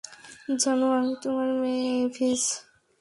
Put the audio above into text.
জানু, আমি তোমার মেভিস।